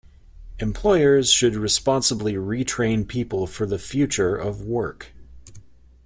Employers should responsibly retrain people for the future of work.